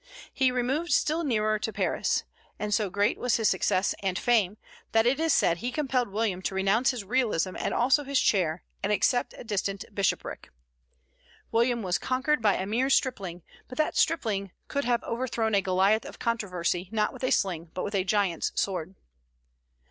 He removed still nearer to Paris. And so great was his success and fame, that it is said he compelled William to renounce his Realism and also his chair, and accept a distant bishopric. William was conquered by a mere stripling; but that stripling could have overthrown a Goliath of controversy, not with a sling, but with a giant's sword.